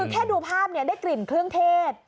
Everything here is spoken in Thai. คือแค่ดูภาพได้กลิ่นเครื่องเทศ